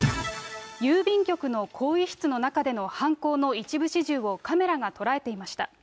郵便局の更衣室の中での犯行の一部始終をカメラが捉えていました。